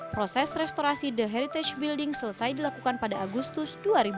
proses restorasi the heritage building selesai dilakukan pada agustus dua ribu dua puluh